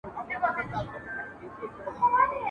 د اولیاوو د شیخانو مجلسونه کیږي ..